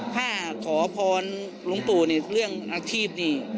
ถ้าขอพรลุงปู่เรื่องอาชีพ